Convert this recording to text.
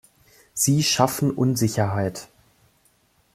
Sie schaffen Unsicherheit.